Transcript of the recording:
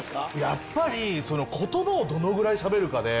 やっぱり言葉をどのぐらいしゃべるかで。